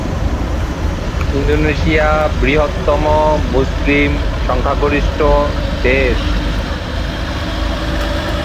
Indonesia বৃহত্তম মুসলিম-সংখ্যাগরিষ্ঠ দেশ।